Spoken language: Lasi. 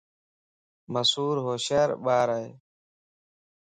مصور ھوشيار ٻارائي